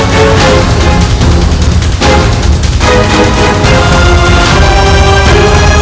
lelaki mana yang tidak tertarik padanya